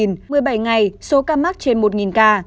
một mươi bảy ngày số ca mắc trên một ca